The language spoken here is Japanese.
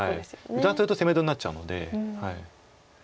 油断すると攻め取りになっちゃうので。